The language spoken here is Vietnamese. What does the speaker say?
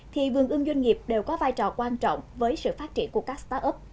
thì vườn ươm doanh nghiệp đều có vai trò quan trọng với sự phát triển của các start up